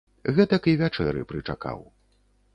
Гэтак і вячэры прычакаў.